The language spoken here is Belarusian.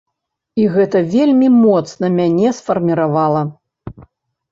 І гэта вельмі моцна мяне сфарміравала.